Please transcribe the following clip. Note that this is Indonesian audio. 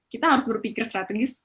kita harus berpikir strategis